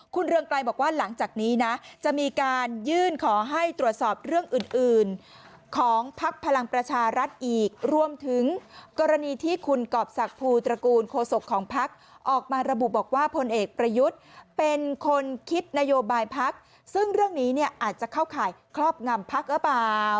คุณเรืองไกรบอกว่าหลังจากนี้นะจะมีการยื่นขอให้ตรวจสอบเรื่องอื่นอื่นของพักพลังประชารัฐอีกรวมถึงกรณีที่คุณกรอบศักดิภูตระกูลโคศกของพักออกมาระบุบอกว่าพลเอกประยุทธ์เป็นคนคิดนโยบายพักซึ่งเรื่องนี้เนี่ยอาจจะเข้าข่ายครอบงำพักหรือเปล่า